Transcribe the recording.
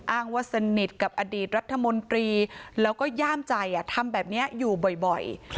อ้างว่าสนิทกับอดีตรัฐมนตรีแล้วก็ย่ามใจทำแบบนี้อยู่บ่อย